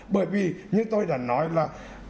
bởi vì như tôi đã nói là